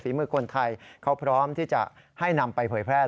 มือคนไทยเขาพร้อมที่จะให้นำไปเผยแพร่